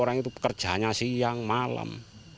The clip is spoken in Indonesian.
orang itu pekerjanya siang malam